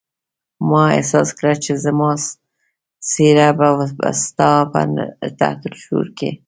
ما احساس کړه چې زما څېره به ستا په تحت الشعور کې.